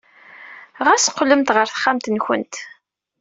Ɣas qqlemt ɣer texxamt-nwent.